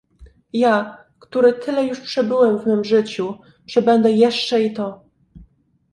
"Ja, który już tyle przebyłem w mem życiu, przebędę jeszcze i to."